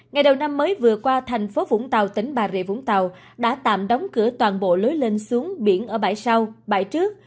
ngày đầu năm mới vừa qua thành phố vũng tàu tỉnh bà rịa vũng tàu đã tạm đóng cửa toàn bộ lối lên xuống biển ở bãi sau bãi trước